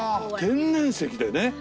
天然石でね。